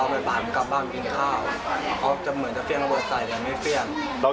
มันถ้ายังคาดเหมือนหนึ่งบริงฟอง